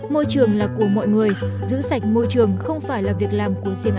môi trường là của mọi người giữ sạch môi trường không phải là việc làm của riêng